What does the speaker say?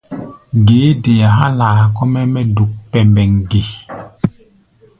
Ge é dea há̧ laa kɔ́-mɛ́ mɛ́ duk pɛmbɛŋ ge?